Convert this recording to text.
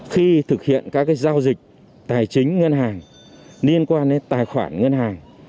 khi thực hiện các giao dịch tài chính ngân hàng liên quan đến tài khoản ngân hàng